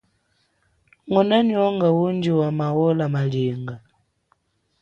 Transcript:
Nguna nyonga undji wa maola malinga.